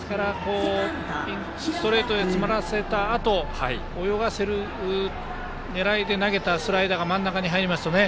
ストレートで詰まらせたあと泳がせる狙いで投げたスライダーが真ん中に入りましたね。